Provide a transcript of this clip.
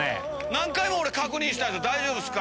何回も俺確認したんすよ大丈夫っすか？